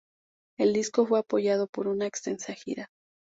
El disco fue apoyado por una extensa gira.